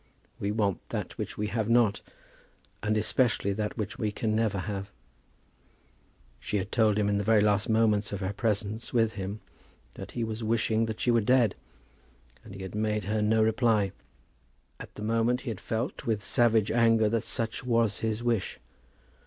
We want that which we have not; and especially that which we can never have. She had told him in the very last moments of her presence with him that he was wishing that she were dead, and he had made her no reply. At the moment he had felt, with savage anger, that such was his wish.